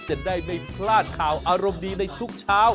จะได้ไม่พลาดข่าวอารมณ์ดีในทุกเช้า